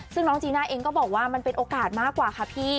ซึ่งน้องจีน่าเองก็บอกว่ามันเป็นโอกาสมากกว่าค่ะพี่